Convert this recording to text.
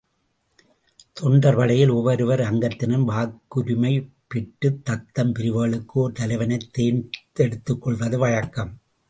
தொண்டர் படையில் ஒவ்வொர் அங்கத்தினரும் வாக்குரிமை பெற்றுத்தத்தம் பிரிவுகளுக்கு ஒரு தலைவனைத் தேர்ந்தெடுத்துக்கொள்வது வழக்கம்.